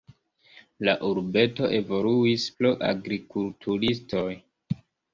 La urbeto evoluis pro agrikulturistoj.